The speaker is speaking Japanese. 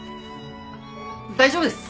大丈夫です！